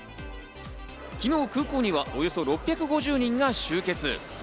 昨日、空港にはおよそ６５０人が集結。